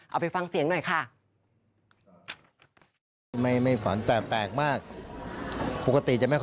เอาไปฟังเสียงหน่อยค่ะ